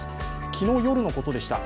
昨日夜のことでした。